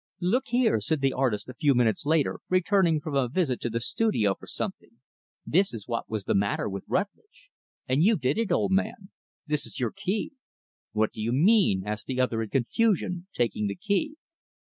"Look here," said the artist a few minutes later, returning from a visit to the studio for something, "this is what was the matter with Rutlidge. And you did it, old man. This is your key." "What do you mean?" asked the other in confusion taking the key.